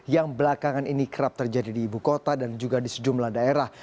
yang belakangan ini kerap terjadi di ibu kota dan juga di sejumlah daerah